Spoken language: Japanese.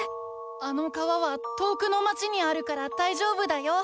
あの川は遠くの町にあるからだいじょうぶだよ。